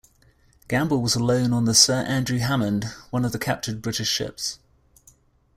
Gamble was alone on the "Sir Andrew Hammond", one of the captured British ships.